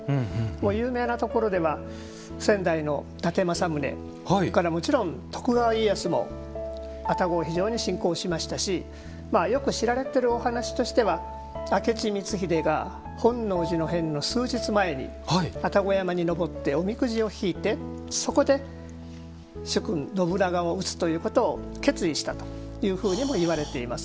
有名なところでは仙台の伊達政宗もちろん徳川家康も愛宕を非常に信仰しましたしよく知られてるお話としては明智光秀が本能寺の変の数日前に愛宕山に登っておみくじを引いてそこで主君信長を討つということを決意したというふうにも言われています。